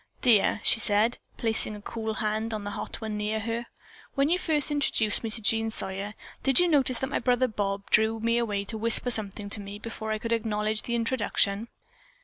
"Dear," she said, placing a cool hand on the hot one near her, "when you first introduced me to Jean Sawyer, did you notice that my brother Bob drew me away to whisper something to me before I could acknowledge the introduction?"